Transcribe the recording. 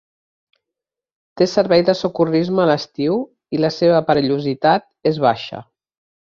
Té servei de socorrisme a l'estiu i la seva perillositat és baixa.